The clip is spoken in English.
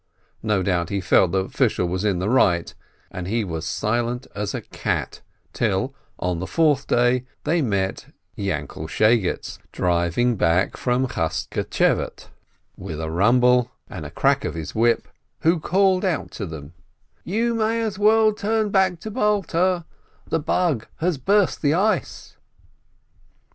No doubt he felt that Fishel was in the right, and he was silent as a cat, till, on the fourth day, they met Yainkel Shegetz, driving back from Chaschtschevate with a rumble and a 132 SHOLOM ALECHEM crack of his whip, who called out to them, "You may as well turn back to Balta, the Bug has burst the ice."